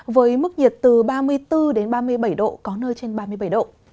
với mức nhiệt từ ba mươi bốn đến ba mươi bảy độ có nơi trên ba mươi bảy độ